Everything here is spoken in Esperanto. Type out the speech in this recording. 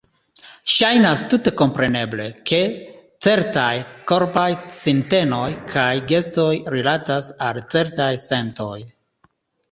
Ŝajnas tute kompreneble, ke certaj korpaj sintenoj kaj gestoj "rilatas" al certaj sentoj.